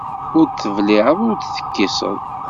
Ur tebliɛeḍ ur d-tekkiseḍ.